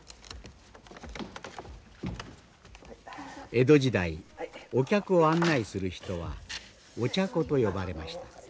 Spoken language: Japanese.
江戸時代お客を案内する人はお茶子と呼ばれました。